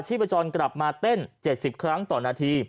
พจรกลับมาเต้น๗๐ครั้งต่อนาที